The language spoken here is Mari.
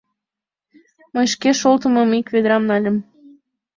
Мый шке шолтымым ик ведрам нальым...